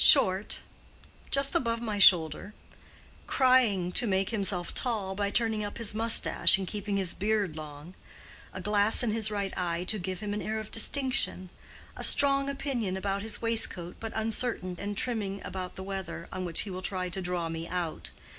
"Short—just above my shoulder—trying to make himself tall by turning up his mustache and keeping his beard long—a glass in his right eye to give him an air of distinction—a strong opinion about his waistcoat, but uncertain and trimming about the weather, on which he will try to draw me out.